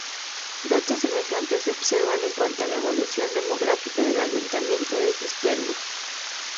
Datos semejantes se observan en cuanto a la evolución demográfica del ayuntamiento de Cistierna.